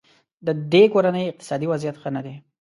ددې کورنۍ اقتصادي وضیعت ښه نه دی.